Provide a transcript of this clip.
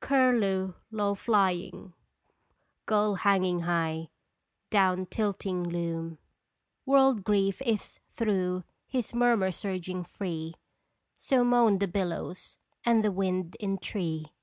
Curlew low flying, gull hanging high, Down tilting loon. World grief Is through his murmur surging free, So moan the billows, and the wind in tree